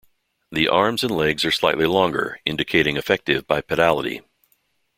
The arms and legs are slightly longer indicating effective bipedality.